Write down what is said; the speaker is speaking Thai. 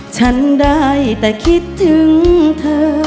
ฉันได้แต่คิดถึงเธอ